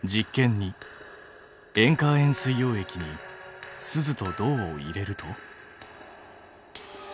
２塩化亜鉛水溶液にスズと銅を入れると？